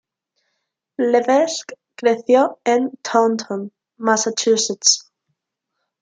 Levesque creció en Taunton, Massachusetts.